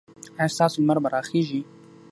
ایا ستاسو لمر به راخېژي؟